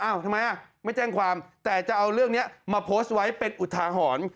ทำไมไม่แจ้งความแต่จะเอาเรื่องนี้มาโพสต์ไว้เป็นอุทาหรณ์